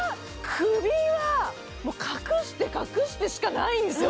首はもう隠して隠してしかないんですよ！